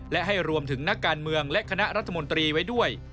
และให้รวมถึงนักการเมืองและคณะรัฐมนตรีไว้ด้วย